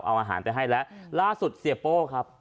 เอาอาหารไปให้แล้วล่าสุดเสียโป้ครับ